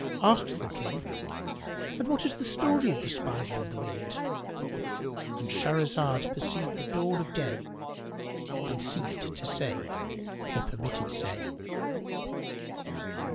Asked the King, "And what is the story of the Spider and the Wind?"—And Shahrazad perceived the dawn of day and ceased to say her permitted say.